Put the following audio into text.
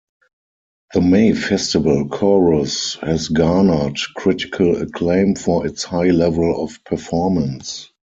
The May Festival Chorus has garnered critical acclaim for its high level of performance.